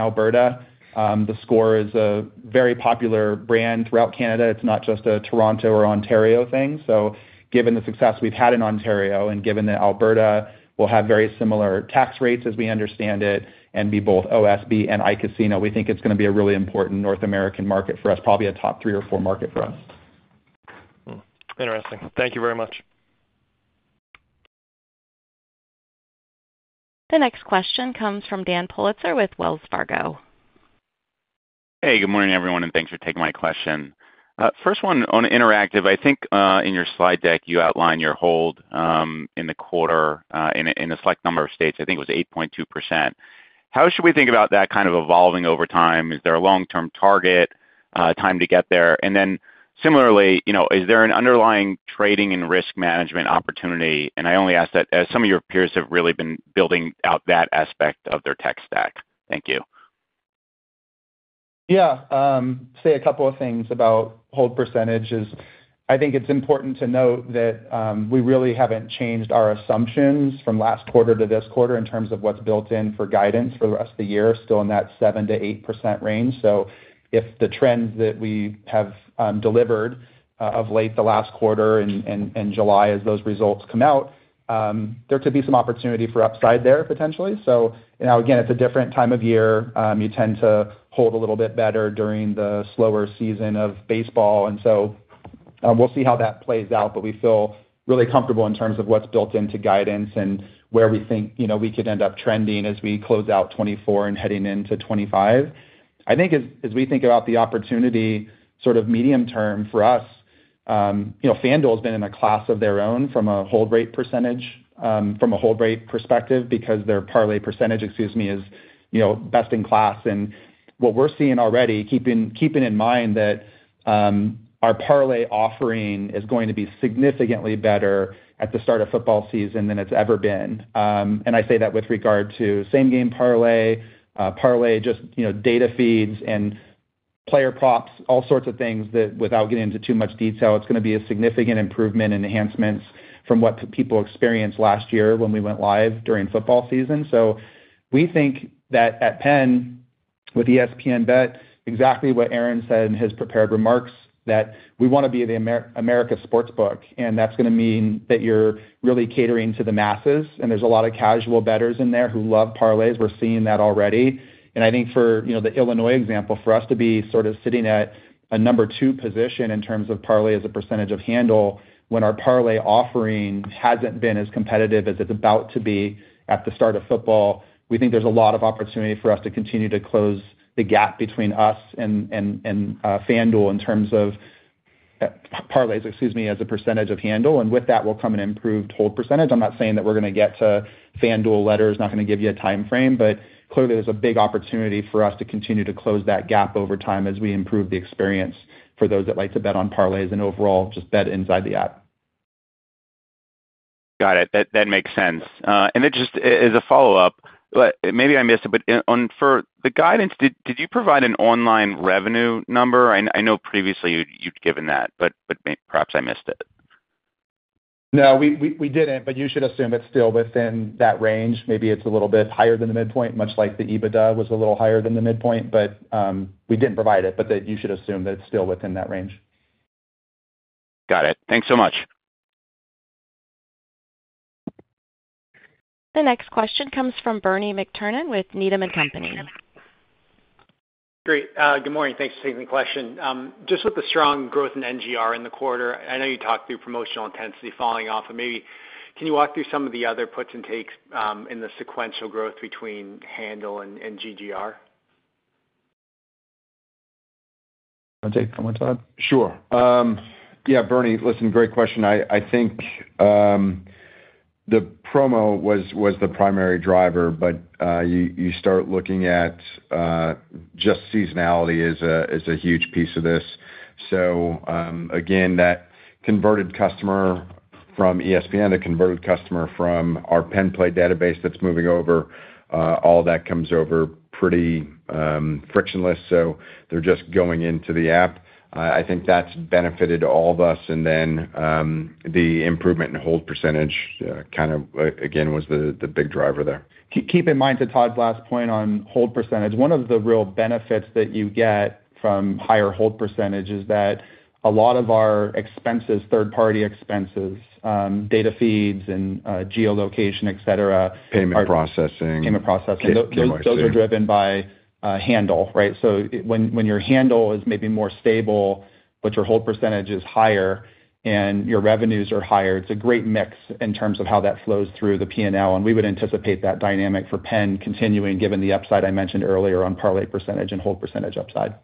Alberta. TheScore is a very popular brand throughout Canada. It's not just a Toronto or Ontario thing. So given the success we've had in Ontario and given that Alberta will have very similar tax rates as we understand it and be both OSB and iCasino, we think it's gonna be a really important North American market for us, probably a top three or four market for us. Hmm. Interesting. Thank you very much. The next question comes from Dan Politzer with Wells Fargo. Hey, good morning, everyone, and thanks for taking my question. First one, on interactive, I think, in your slide deck, you outlined your hold, in the quarter, in a, in a select number of states. I think it was 8.2%. How should we think about that kind of evolving over time? Is there a long-term target, time to get there? And then similarly, you know, is there an underlying trading and risk management opportunity? And I only ask that as some of your peers have really been building out that aspect of their tech stack. Thank you. Yeah. Say a couple of things about hold percentages. I think it's important to note that we really haven't changed our assumptions from last quarter to this quarter in terms of what's built in for guidance for the rest of the year, still in that 7%-8% range. So if the trends that we have delivered of late the last quarter and July as those results come out, there could be some opportunity for upside there, potentially. So, you know, again, it's a different time of year. You tend to hold a little bit better during the slower season of baseball, and so we'll see how that plays out, but we feel really comfortable in terms of what's built into guidance and where we think, you know, we could end up trending as we close out 2024 and heading into 2025. I think as we think about the opportunity, sort of medium term for us, you know, FanDuel has been in a class of their own from a hold rate percentage, from a hold rate perspective, because their parlay percentage, excuse me, is, you know, best in class. And what we're seeing already, keeping in mind that our parlay offering is going to be significantly better at the start of football season than it's ever been. And I say that with regard to Same Game Parlay, parlay, just, you know, data feeds and player props, all sorts of things that without getting into too much detail, it's gonna be a significant improvement and enhancements from what people experienced last year when we went live during football season. So we think that at PENN, with ESPN BET, exactly what Aaron said in his prepared remarks, that we wanna be America's sportsbook, and that's gonna mean that you're really catering to the masses, and there's a lot of casual bettors in there who love parlays. We're seeing that already. I think for, you know, the Illinois example, for us to be sort of sitting at a number 2 position in terms of parlay as a percentage of handle, when our parlay offering hasn't been as competitive as it's about to be at the start of football, we think there's a lot of opportunity for us to continue to close the gap between us and FanDuel in terms of parlays, excuse me, as a percentage of handle, and with that will come an improved hold percentage. I'm not saying that we're going to get to FanDuel levels, not going to give you a time frame, but clearly, there's a big opportunity for us to continue to close that gap over time as we improve the experience for those that like to bet on parlays and overall, just bet inside the app. Got it. That makes sense. And it just, as a follow-up, but maybe I missed it, but in on for the guidance, did you provide an online revenue number? I know previously you'd given that, but perhaps I missed it. No, we didn't, but you should assume it's still within that range. Maybe it's a little bit higher than the midpoint, much like the EBITDA was a little higher than the midpoint, but we didn't provide it, but that you should assume that it's still within that range. Got it. Thanks so much! The next question comes from Bernie McTernan with Needham & Company. Great. Good morning. Thanks for taking the question. Just with the strong growth in NGR in the quarter, I know you talked through promotional intensity falling off, but maybe can you walk through some of the other puts and takes, in the sequential growth between handle and, and GGR? Want to take, comment on it, Todd? Sure. Yeah, Bernie, listen, great question. I think the promo was the primary driver, but you start looking at just seasonality is a huge piece of this. So, again, that converted customer from ESPN, the converted customer from our PENN Play database that's moving over, all that comes over pretty frictionless, so they're just going into the app. I think that's benefited all of us, and then the improvement in hold percentage kind of again was the big driver there. Keep in mind, to Todd's last point on hold percentage, one of the real benefits that you get from higher hold percentage is that a lot of our expenses, third-party expenses, data feeds and, geolocation, et cetera- Payment processing. Payment processing. KYC. Those are driven by, handle, right? So when, when your handle is maybe more stable, but your hold percentage is higher and your revenues are higher, it's a great mix in terms of how that flows through the P&L, and we would anticipate that dynamic for PENN continuing, given the upside I mentioned earlier on parlay percentage and hold percentage upside.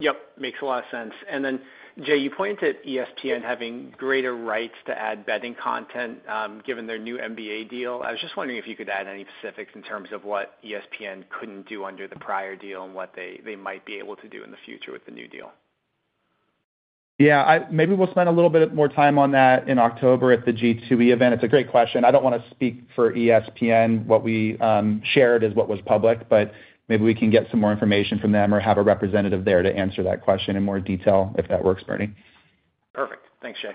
Yep. Makes a lot of sense. And then, Jay, you pointed ESPN having greater rights to add betting content, given their new NBA deal. I was just wondering if you could add any specifics in terms of what ESPN couldn't do under the prior deal and what they, they might be able to do in the future with the new deal. Yeah, maybe we'll spend a little bit more time on that in October at the G2E event. It's a great question. I don't want to speak for ESPN. What we shared is what was public, but maybe we can get some more information from them or have a representative there to answer that question in more detail, if that works, Bernie. Perfect. Thanks, Jay.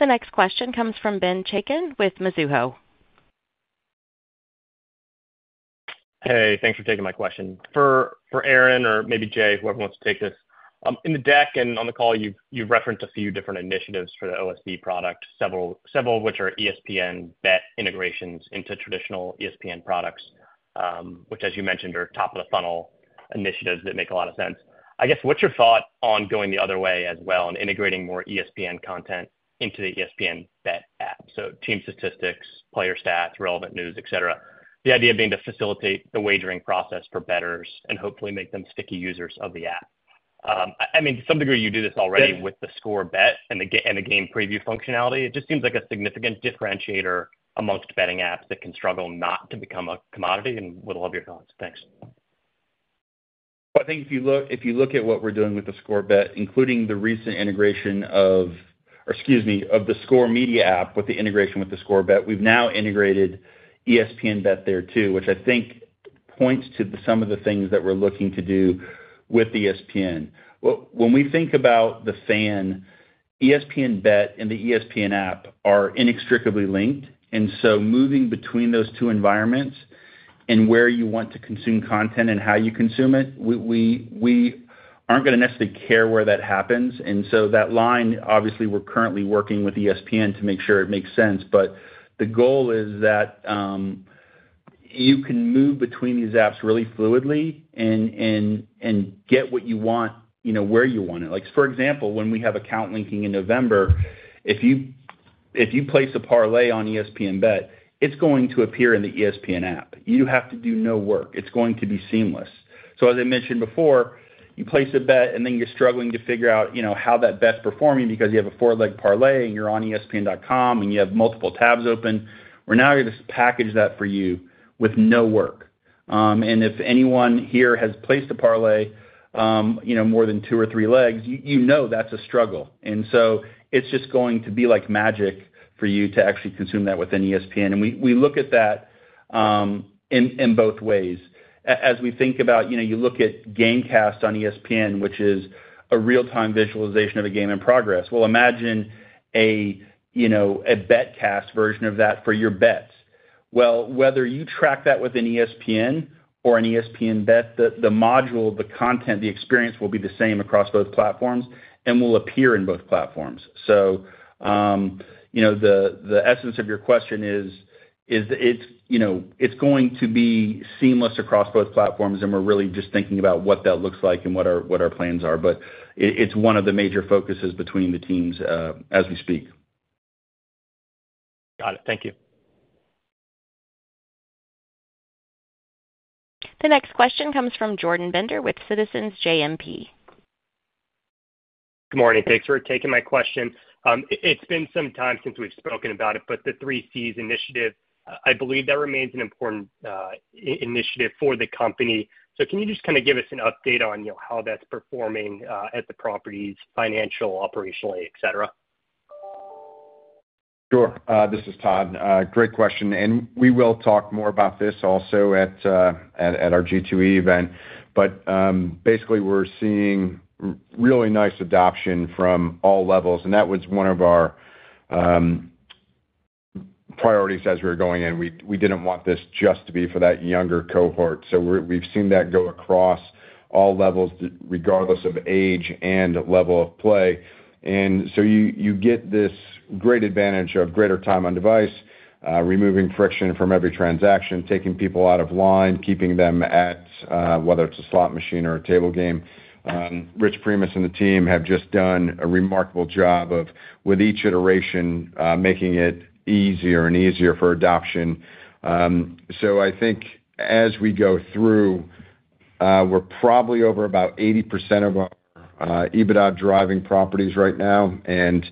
The next question comes from Ben Chaiken with Mizuho. Hey, thanks for taking my question. For Aaron or maybe Jay, whoever wants to take this. In the deck and on the call, you've referenced a few different initiatives for the OSB product, several of which are ESPN BET integrations into traditional ESPN products, which, as you mentioned, are top-of-the-funnel initiatives that make a lot of sense. I guess, what's your thought on going the other way as well and integrating more ESPN content into the ESPN BET app? So team statistics, player stats, relevant news, et cetera. The idea being to facilitate the wagering process for bettors and hopefully make them sticky users of the app. I mean, to some degree, you do this already with theScore Bet and the game preview functionality. It just seems like a significant differentiator among betting apps that can struggle not to become a commodity and would love your thoughts. Thanks. Well, I think if you look, if you look at what we're doing with theScore Bet, including the recent integration of... or excuse me, of theScore Media app with the integration with theScore Bet, we've now integrated ESPN BET there, too, which I think points to some of the things that we're looking to do with ESPN. When we think about the fan, ESPN BET and the ESPN app are inextricably linked, and so moving between those two environments and where you want to consume content and how you consume it, we aren't going to necessarily care where that happens. And so that line, obviously, we're currently working with ESPN to make sure it makes sense, but the goal is that you can move between these apps really fluidly and get what you want, you know, where you want it. Like, for example, when we have account linking in November, if you place a parlay on ESPN BET, it's going to appear in the ESPN app. You have to do no work. It's going to be seamless. So as I mentioned before, you place a bet, and then you're struggling to figure out, you know, how that bet's performing because you have a 4-leg parlay, and you're on ESPN.com, and you have multiple tabs open. We're now going to just package that for you with no work. And if anyone here has placed a parlay, you know, more than 2 or 3 legs, you know, that's a struggle. And so it's just going to be like magic for you to actually consume that within ESPN. And we look at that in both ways. As we think about, you know, you look at GameCast on ESPN, which is a real-time visualization of a game in progress. Well, imagine a, you know, a BetCast version of that for your bets. Well, whether you track that within ESPN or in ESPN BET, the module, the content, the experience will be the same across both platforms and will appear in both platforms. So, you know, the essence of your question is it's, you know, it's going to be seamless across both platforms, and we're really just thinking about what that looks like and what our plans are. But it's one of the major focuses between the teams, as we speak.... Got it. Thank you. The next question comes from Jordan Bender with Citizens JMP. Good morning. Thanks for taking my question. It's been some time since we've spoken about it, but the 3Cs initiative, I believe that remains an important initiative for the company. So can you just kind of give us an update on, you know, how that's performing at the properties, financial, operationally, et cetera? Sure. This is Todd. Great question, and we will talk more about this also at our G2E event. But basically, we're seeing really nice adoption from all levels, and that was one of our priorities as we were going in. We didn't want this just to be for that younger cohort. So we've seen that go across all levels, regardless of age and level of play. And so you get this great advantage of greater time on device, removing friction from every transaction, taking people out of line, keeping them at whether it's a slot machine or a table game. Rich Primus and the team have just done a remarkable job of, with each iteration, making it easier and easier for adoption. So I think as we go through, we're probably over about 80% of our EBITDA-driving properties right now, and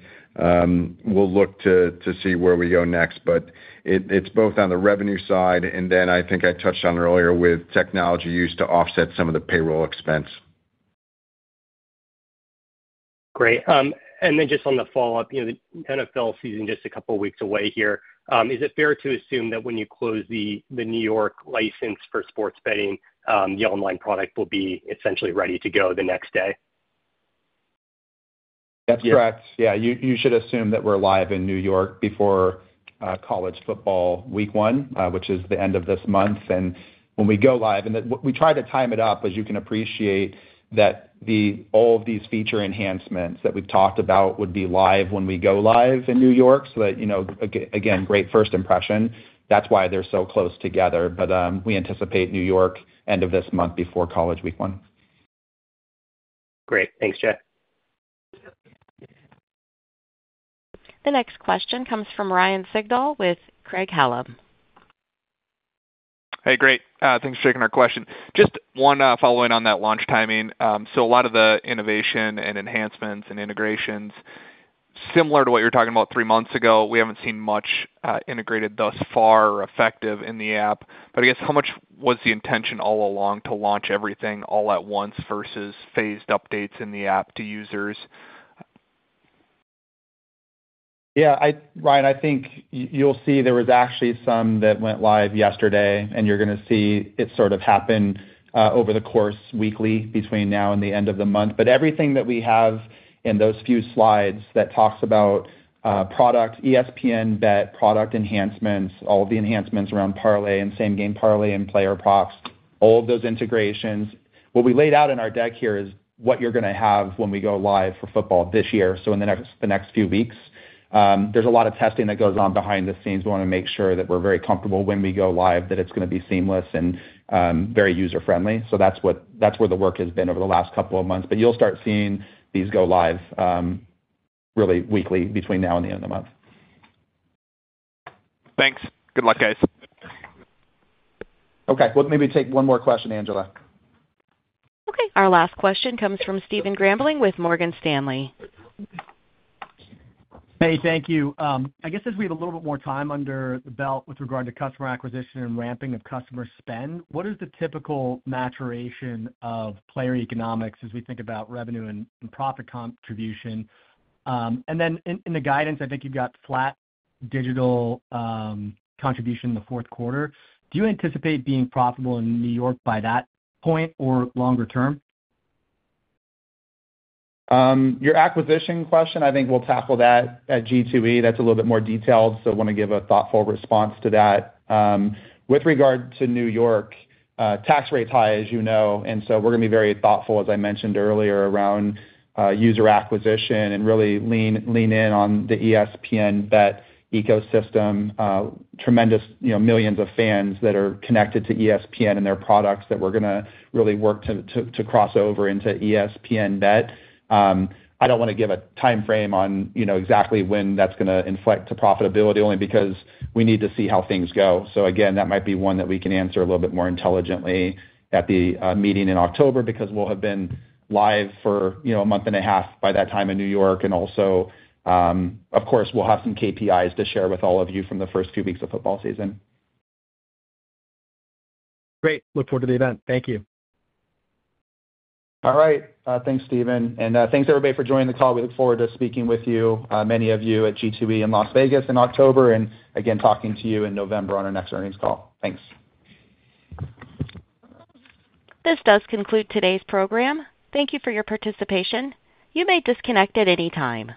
we'll look to see where we go next. But it's both on the revenue side, and then I think I touched on earlier with technology used to offset some of the payroll expense. Great. And then just on the follow-up, you know, the NFL season just a couple of weeks away here. Is it fair to assume that when you close the New York license for sports betting, the online product will be essentially ready to go the next day? That's correct. Yeah, you should assume that we're live in New York before college football week one, which is the end of this month. And when we go live, we try to time it up, as you can appreciate, that all of these feature enhancements that we've talked about would be live when we go live in New York. So that, you know, again, great first impression. That's why they're so close together. But we anticipate New York end of this month before college week one. Great. Thanks, Jay. The next question comes from Ryan Sigdahl with Craig-Hallum. Hey, great. Thanks for taking our question. Just one, following on that launch timing. So, a lot of the innovation and enhancements and integrations, similar to what you were talking about three months ago, we haven't seen much, integrated thus far or effective in the app, but I guess, how much was the intention all along to launch everything all at once versus phased updates in the app to users? Yeah, Ryan, I think you'll see there was actually some that went live yesterday, and you're going to see it sort of happen over the course weekly between now and the end of the month. But everything that we have in those few slides that talks about product, ESPN BET, product enhancements, all the enhancements around parlay and Same Game Parlay and player props, all of those integrations. What we laid out in our deck here is what you're going to have when we go live for football this year, so in the next few weeks. There's a lot of testing that goes on behind the scenes. We want to make sure that we're very comfortable when we go live, that it's going to be seamless and very user-friendly. So that's where the work has been over the last couple of months. But you'll start seeing these go live, really weekly between now and the end of the month. Thanks. Good luck, guys. Okay. We'll maybe take one more question, Angela. Okay. Our last question comes from Stephen Grambling with Morgan Stanley. Hey, thank you. I guess as we have a little bit more time under the belt with regard to customer acquisition and ramping of customer spend, what is the typical maturation of player economics as we think about revenue and profit contribution? And then in the guidance, I think you've got flat digital contribution in the fourth quarter. Do you anticipate being profitable in New York by that point or longer term? Your acquisition question, I think we'll tackle that at G2E. That's a little bit more detailed, so I want to give a thoughtful response to that. With regard to New York, tax rate is high, as you know, and so we're going to be very thoughtful, as I mentioned earlier, around user acquisition and really lean, lean in on the ESPN BET ecosystem. Tremendous, you know, millions of fans that are connected to ESPN and their products that we're going to really work to, to, to cross over into ESPN BET. I don't want to give a timeframe on, you know, exactly when that's going to inflect to profitability, only because we need to see how things go. So again, that might be one that we can answer a little bit more intelligently at the meeting in October, because we'll have been live for, you know, a month and a half by that time in New York. And also, of course, we'll have some KPIs to share with all of you from the first two weeks of football season. Great. Look forward to the event. Thank you. All right. Thanks, Steven. And, thanks, everybody, for joining the call. We look forward to speaking with you, many of you at G2E in Las Vegas in October, and again, talking to you in November on our next earnings call. Thanks. This does conclude today's program. Thank you for your participation. You may disconnect at any time.